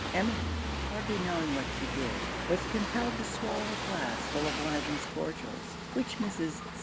Emmeline, hardly knowing what she did, was compelled to swallow a glass full of one of these cordials; which Mrs. St.